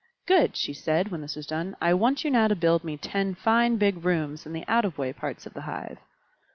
"Good!" she said, when this was done. "I want you now to build me ten fine big rooms in the out of the way parts of the hive."